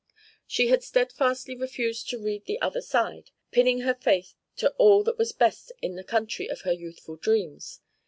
She had steadfastly refused to read the "other side," pinning her faith to all that was best in the country of her youthful dreams.